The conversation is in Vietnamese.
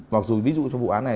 mặc dù ví dụ trong vụ án này